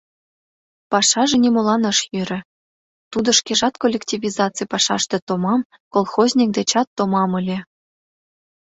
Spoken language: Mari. Пашаже нимолан ыш йӧрӧ, тудо шкежат коллективизаций пашаште томам, колхозник дечат томам ыле.